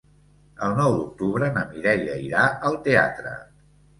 El nou d'octubre na Mireia irà al teatre.